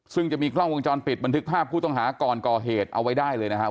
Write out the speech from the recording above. ซึ่งจะมีกล้องวงจรปิดบันทึกภาพผู้ต้องหาก่อนก่อเหตุเอาไว้ได้เลยนะครับ